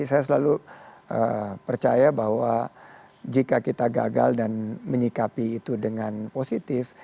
saya selalu percaya bahwa jika kita gagal dan menyikapi itu dengan positif